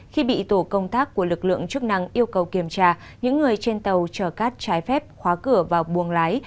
khi bị tổ công tác của lực lượng chức năng yêu cầu kiểm tra những người trên tàu chở cát trái phép khóa cửa vào buông lái